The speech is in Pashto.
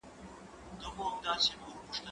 زه پرون چپنه پاکوم